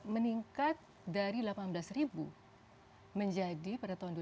meningkat dari delapan belas menjadi pada tahun dua ribu tiga belas itu lima puluh tujuh